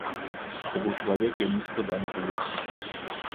Гэта быў чалавек вельмі складанага лёсу.